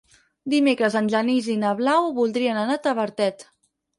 Dimecres en Genís i na Blau voldrien anar a Tavertet.